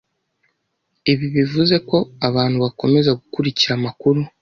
Ibi bivuze ko abantu bakomeza gukurikira amakuru